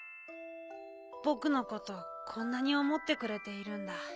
ぼくのことこんなにおもってくれているんだ。